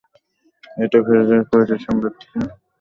এটা ফেডারেল পুলিশের সম্পত্তি।